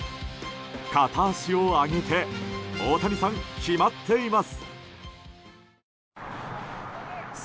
片足を上げて大谷さん決まっています。